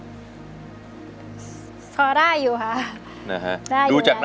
ทั้งในเรื่องของการทำงานเคยทำนานแล้วเกิดปัญหาน้อย